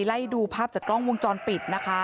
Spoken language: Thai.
ไล่ดูภาพจากกล้องวงจรปิดนะคะ